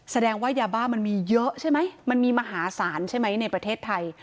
แสดงว่ายาบ้ามันมีเยอะใช่ไหมมันมีมหาศาลใช่ไหมในประเทศไทย